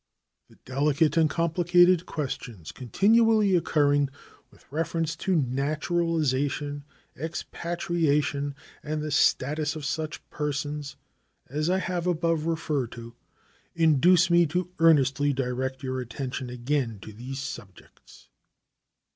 The delicate and complicated questions continually occurring with reference to naturalization, expatriation, and the status of such persons as I have above referred to induce me to earnestly direct your attention again to these subjects.